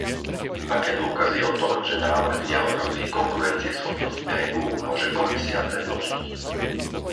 Aké dôkazy o tom, že návrh neohrozí konkurencieschopnosť EÚ, môže Komisia predložiť?